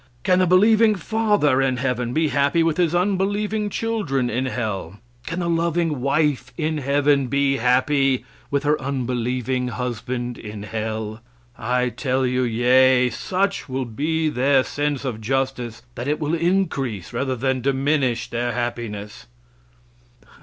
Can the believing father in heaven be happy with his unbelieving children in hell? Can the loving wife in heaven be happy with her unbelieving husband in hell? I tell you yea. Such will be their sense of justice that it will increase rather than diminish their happiness."